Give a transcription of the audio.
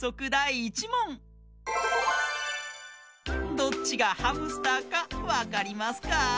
どっちがハムスターかわかりますか？